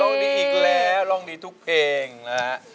ดีอีกแล้วร้องดีทุกเพลงนะฮะ